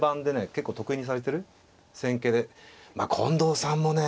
結構得意にされてる戦型で近藤さんもね